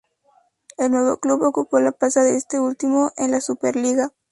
El nuevo club ocupó la plaza de este último en la Superliga.